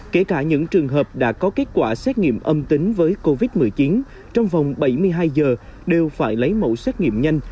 kể cả những trường hợp đã có kết quả xét nghiệm âm tính với covid một mươi chín trong vòng bảy mươi hai giờ đều phải lấy mẫu xét nghiệm nhanh